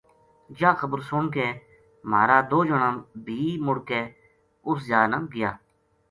یاہ خبر سن کے مہارا دو جنا بھی مُڑ کے اُس جا نا گیا